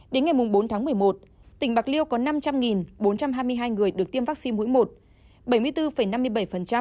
đến ngày bốn tháng một mươi một tỉnh bạc liêu có năm trăm linh bốn trăm hai mươi hai người được tiêm vaccine mũi một bảy mươi bốn năm mươi bảy